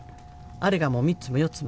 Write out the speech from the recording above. あれがもう、３つも４つも。